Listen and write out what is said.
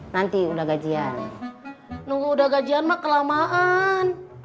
nunggu udah gajian mah kelamaan